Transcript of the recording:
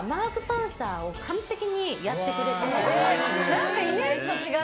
何かイメージと違う。